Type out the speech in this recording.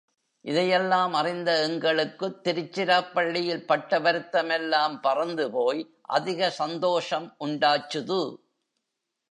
இதை யெல்லாம் அறிந்த எங்களுக்குத் திருச்சிராப்பள்ளியில் பட்ட வருத்தமெல்லாம் பறந்து போய் அதிக சந்தோஷம் உண்டாச்சுது.